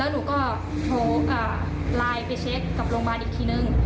หนูก็โทรไลน์ไปเช็คกับโรงพยาบาลอีกทีนึง